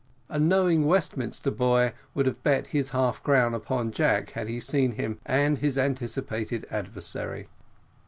A knowing Westminster boy would have bet his half crown upon Jack, had he seen him and his anticipated adversary.